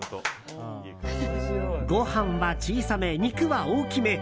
ご飯は小さめ、肉は大きめ。